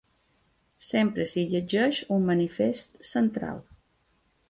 Sempre s’hi llegeix un manifest central.